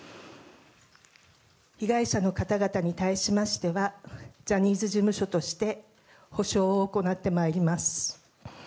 被害者の方々に対しましてはジャニーズ事務所として補償を行ってまいります。